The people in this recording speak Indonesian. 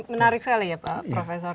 menarik sekali ya profesor